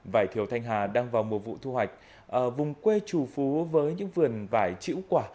vải thiểu thanh hà đang vào mùa vụ thu hoạch vùng quê chủ phú với những vườn vải trĩu quả